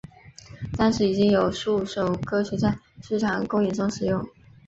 当时已经有数首歌曲在剧场公演中使用。